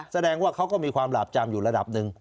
แสดงว่าเขาก็มีความหลาบจำอยู่ระดับหนึ่ง